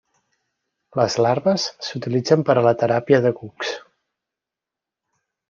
Les larves s'utilitzen per a la teràpia de cucs.